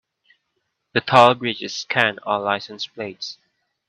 The toll bridges scan all license plates.